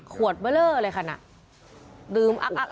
ขวดเบลอเลยคันนะ